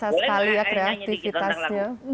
boleh nggak ayah nyanyi dikit tentang lagu